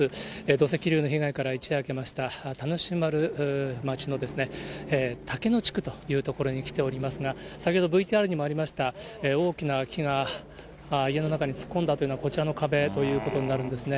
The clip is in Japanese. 土石流の被害から一夜明けました、田主丸町のたけの地区という所に来ておりますが、先ほどＶＴＲにもありました大きな木が家の中に突っ込んだというのがこちらの壁ということになるんですね。